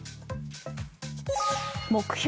目標